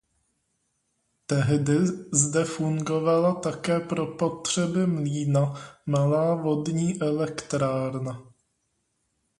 Tehdy zde fungovala také pro potřeby mlýna malá vodní elektrárna.